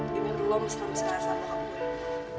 jadi lu harus selalu selesa sama kabunya